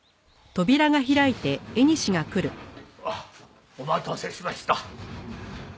あっお待たせしました。